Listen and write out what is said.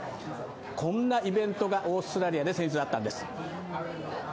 こんなイベントがオーストラリアで先日あったんです。